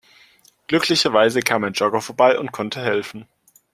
Glücklicherweise kam ein Jogger vorbei und konnte helfen.